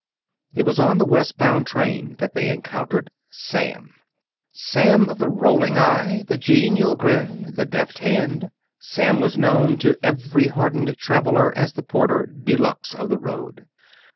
It was on the westbound train that they encountered Sam Sam of the rolling eye, the genial grin, the deft hand. Sam was known to every hardened traveler as the porter de luxe of the road.